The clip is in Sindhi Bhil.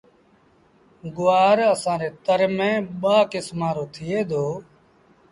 گُوآر اسآݩ ري تر ميݩ ٻآ ڪسمآݩ رو ٿئي دو۔